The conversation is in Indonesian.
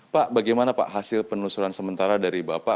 pak bagaimana pak hasil penelusuran sementara dari bapak